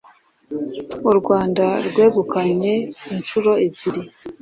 u rwanda rwegukanye inshuro ebyiri